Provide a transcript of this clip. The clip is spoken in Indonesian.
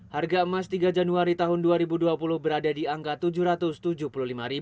harga emas tiga januari tahun dua ribu dua puluh berada di angka rp tujuh ratus tujuh puluh lima